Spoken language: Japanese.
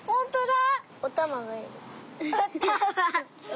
ほんとだ。